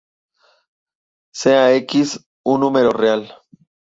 Sea "x" un número real.